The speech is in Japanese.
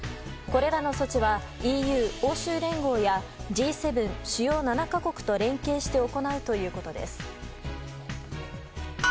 これらの措置はＥＵ・欧州連合やＧ７・主要７か国と連携して行うということです。